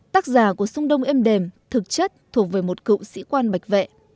tác giả của sông đông êm đềm thực chất thuộc về một cựu sĩ quan bạch vệ